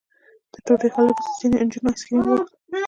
تر ډوډۍ خوړلو وروسته ځینو نجونو ایس کریم وغوښت.